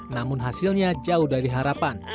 namun hasilnya jauh dari harapan